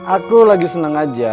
aku lagi seneng aja